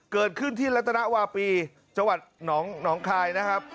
เกิดขึ้นที่รัฐนาวาปีจังหวัดหนองคายนะครับ